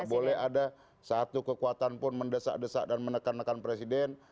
boleh ada satu kekuatan pun mendesak desak dan menekan nekan presiden